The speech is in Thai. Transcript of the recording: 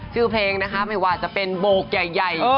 ชื่อเพลงนะคะไม่ว่าจะเป็นโบกใหญ่